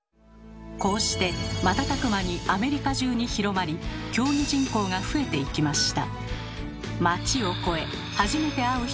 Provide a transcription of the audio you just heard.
こうして瞬く間にアメリカ中に広まり競技人口が増えていきました。